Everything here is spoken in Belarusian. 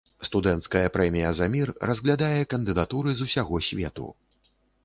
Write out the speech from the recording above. Студэнцкая прэмія за мір разглядае кандыдатуры з усяго свету.